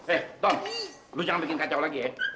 eh tom lu jangan bikin kacau lagi ya